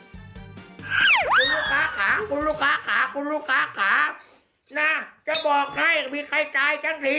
คุณลูกค้าขาคุณลูกค้าขาคุณลูกค้าขานะจะบอกให้มีใครจ่ายฉันที